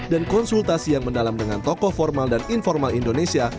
dan konsultasi yang mendalam dengan tokoh formal dan informal indonesia